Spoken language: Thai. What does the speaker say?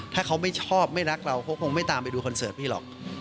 ถ้าเขาไม่ชอบไม่รักเราเขาคงไม่ตามไปดูคอนเสิร์ตพี่หรอก